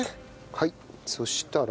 はいそしたら？